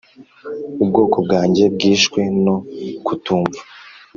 ubwoko bwange bwishwe no kutumva